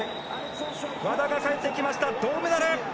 和田が帰ってきました銅メダル！